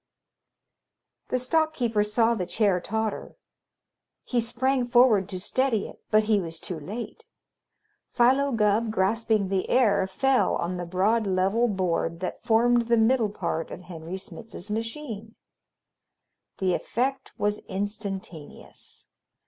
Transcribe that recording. The stock keeper saw the chair totter. He sprang forward to steady it, but he was too late. Philo Gubb, grasping the air, fell on the broad, level board that formed the middle part of Henry Smitz's machine. The effect was instantaneous.